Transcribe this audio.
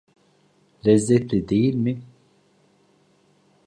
Lezzetli, değil mi?